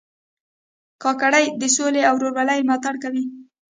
کاکړي د سولې او ورورولۍ ملاتړ کوي.